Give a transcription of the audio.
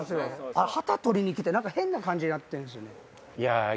旗取りに来て変な感じになってるんすよね。